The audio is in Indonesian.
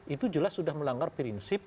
itu jelas sudah melanggar prinsip